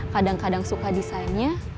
kadang kadang suka desainnya